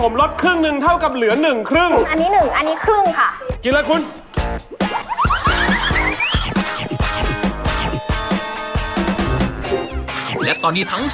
ไม่ได้สุกอ่ะไม่ใช่อ่ะ